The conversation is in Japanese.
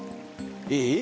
いい？